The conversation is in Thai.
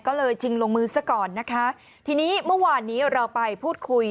ก็เลยชิงลงมือซะก่อนนะคะทีนี้เมื่อวานนี้เราไปพูดคุย